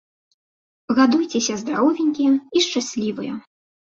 Гадуйцеся здаровенькія і шчаслівыя!